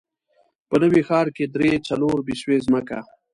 په نوي ښار کې درې، څلور بسوې ځمکه.